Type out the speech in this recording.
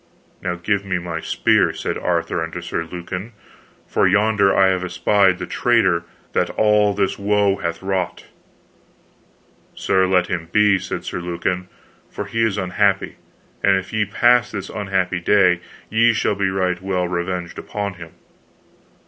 Now give me my spear, said Arthur unto Sir Lucan, for yonder I have espied the traitor that all this woe hath wrought. Sir, let him be, said Sir Lucan, for he is unhappy; and if ye pass this unhappy day, ye shall be right well revenged upon him.